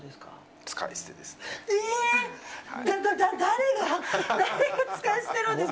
だ、だ、誰が使い捨てるんですか。